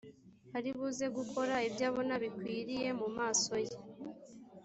ari buze gukora ibyo abona bikwiriye mu maso ye